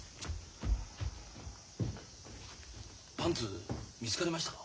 パンツ見つかりましたか？